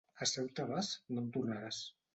A Ceuta vas, no en tornaràs.